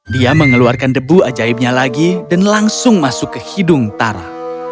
dia mengeluarkan debu ajaibnya lagi dan langsung masuk ke hidung tara